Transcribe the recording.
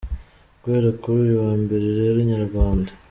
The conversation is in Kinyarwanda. Guhera kuri uyu wa Mbere rero Inyarwanda.